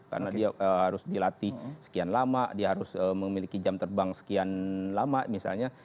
karena dia harus dilatih sekian lama dia harus memiliki jam terbang sekian lama misalnya